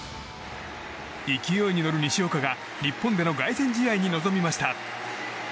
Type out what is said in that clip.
勢いに乗る西岡が日本での凱旋試合に臨みました。